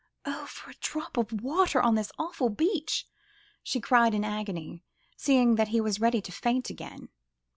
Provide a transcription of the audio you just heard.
"Oh! for a drop of water on this awful beach!" she cried in agony, seeing that he was ready to faint again.